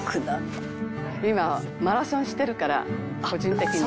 「今マラソンしてるから個人的に」